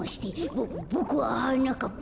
ボボクははなかっぱ。